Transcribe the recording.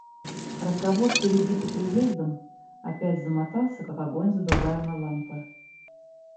Разговор, перебитый приездом, опять замотался, как огонь задуваемой лампы.